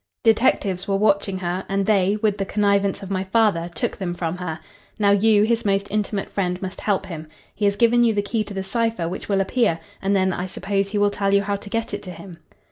Detectives were watching her, and they, with the connivance of my father, took them from her. Now, you, his most intimate friend, must help him. He has given you the key to the cipher which will appear, and then, I suppose, he will tell you how to get it to him."